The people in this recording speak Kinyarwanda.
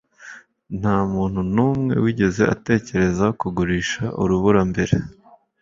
Nta muntu n'umwe wigeze atekereza kugurisha urubura mbere.